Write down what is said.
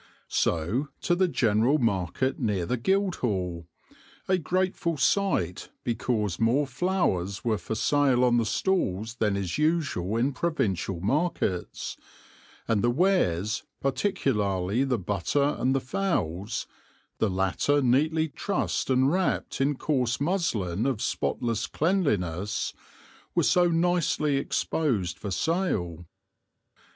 So to the general market near the Guildhall, a grateful sight because more flowers were for sale on the stalls than is usual in provincial markets, and the wares, particularly the butter and the fowls, the latter neatly trussed and wrapped in coarse muslin of spotless cleanliness, were so nicely exposed for sale.